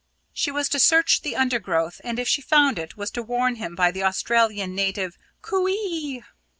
She was to search the undergrowth, and if she found it, was to warn him by the Australian native "Coo ee!"